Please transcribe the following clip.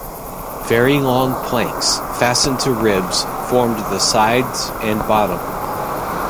Very long planks, fastened to ribs, formed the sides and bottom.